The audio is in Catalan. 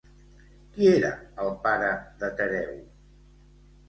Qui era el pare de Tereu?